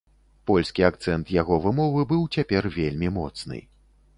Польскі акцэнт яго вымовы быў цяпер вельмі моцны.